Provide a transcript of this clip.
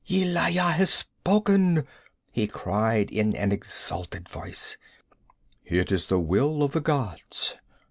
'Yelaya has spoken!' he cried in an exalted voice. 'It is the will of the gods!